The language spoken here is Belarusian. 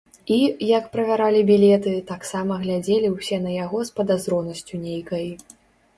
І, як правяралі білеты, таксама глядзелі ўсе на яго з падазронасцю нейкай.